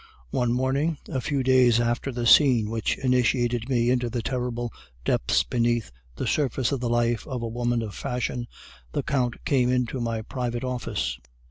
"One morning, a few days after the scene which initiated me into the terrible depths beneath the surface of the life of a woman of fashion, the Count came into my private office.